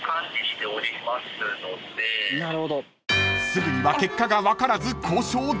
［すぐには結果が分からず］